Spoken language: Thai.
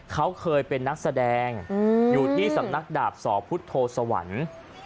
เขาเคยเป็นนักแสดงอยู่ที่สำนักดาบสอพุทธโธสวรรค์